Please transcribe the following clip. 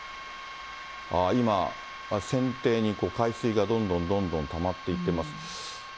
今、船底にこう、海水がどんどんどんどんたまっていってます。